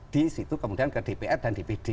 di situ kemudian ke dpr dan dpd